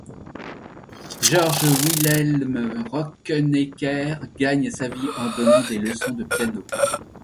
Georg Wilhelm Rauchenecker gagne sa vie en donnant des leçons de piano.